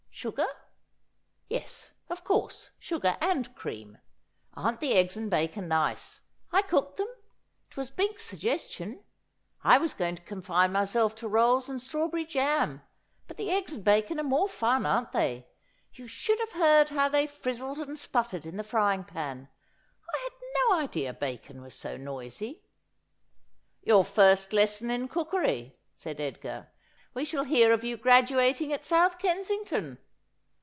Sugar? Yes, of course, sugar and cream. Aren't the eggs and bacon nice ? I cooked them. It was Bink's sugges tion. I was going to confine myself to rolls and strawberry jam ; but the eggs and bacon are more fun, aren't they? You should have heard how they frizzled and sputtered in the frying pan. I had no idea bacon was so noisy.' ' Your first lesson in cookery,' said Edgar. ' We shall hear of you graduating at South Kensington.'